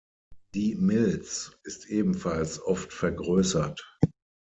Die Milz ist ebenfalls oft vergrößert.